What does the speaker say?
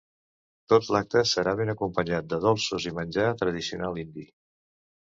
Tot l’acte serà ben acompanyat de dolços i menjar tradicional indi.